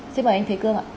xin mời anh thế cương ạ